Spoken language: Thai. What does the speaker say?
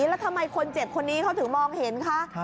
แล้วทำไมคนเจ็บคนนี้เขาถึงมองเห็นคะ